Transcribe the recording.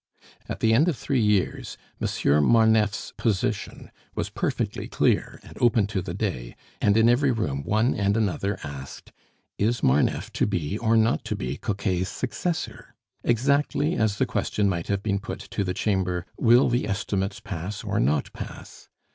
At the end of three years, Monsieur Marneffe's position was perfectly clear and open to the day, and in every room one and another asked, "Is Marneffe to be, or not to be, Coquet's successor?" Exactly as the question might have been put to the Chamber, "Will the estimates pass or not pass?"